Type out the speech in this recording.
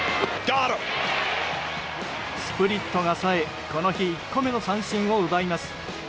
スプリットがさえこの日１個目の三振を奪います。